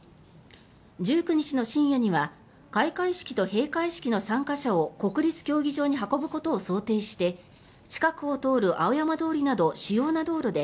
１９日の深夜には開会式と閉会式の参加者を国立競技場に運ぶことを想定して近くを通る青山通りなど主要な道路で